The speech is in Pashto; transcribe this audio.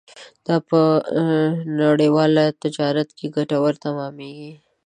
دا په نړیوال تجارت کې ګټور تمامېږي.